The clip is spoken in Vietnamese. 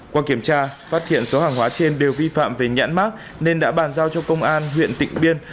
qua kiểm tra phát hiện số hàng hóa trên đều vi phạm về nhãn mát nên đã bàn giao cho công an huyện tịnh biên